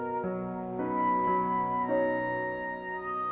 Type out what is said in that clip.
ken semalam kamu udah cerita belum sama teri